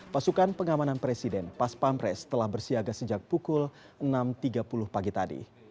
pasukan pengamanan presiden pas pamres telah bersiaga sejak pukul enam tiga puluh pagi tadi